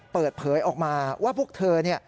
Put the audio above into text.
เปิดเผยออกมาว่าพวกเธอ